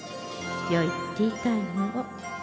良いティータイムを。